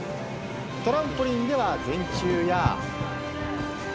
トランポリンでは、前宙や。